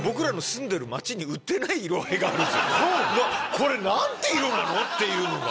これ何て色なの？っていうのが。